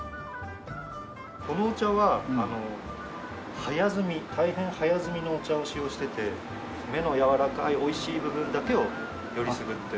このお茶は早摘み大変早摘みのお茶を使用していて芽のやわらかいおいしい部分だけをよりすぐっているんですね。